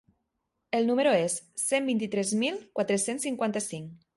El numero és: cent vint-i-tres mil quatre-cents cinquanta-cinc.